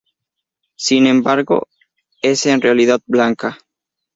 Sin embargo, es en realidad blanca.